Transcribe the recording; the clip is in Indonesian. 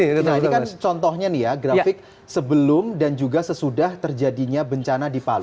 nah ini kan contohnya nih ya grafik sebelum dan juga sesudah terjadinya bencana di palu